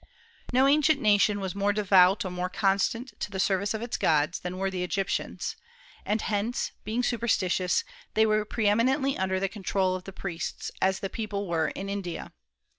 No ancient nation was more devout, or more constant to the service of its gods, than were the Egyptians; and hence, being superstitious, they were pre eminently under the control of priests, as the people were in India.